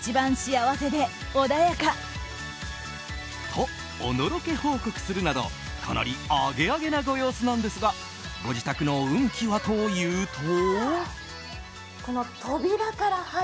と、おのろけ報告するなどかなりアゲアゲなご様子なんですがご自宅の運気はというと。